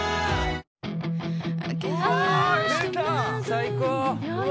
最高！